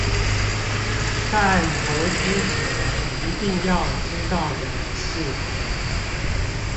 但投資前一定要知道的事